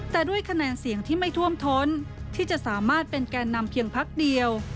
แต่ด้วยคะแนนเสียงที่ไม่ท่วมท้นที่จะสามารถเป็นแก่นำเพียงพักเดียว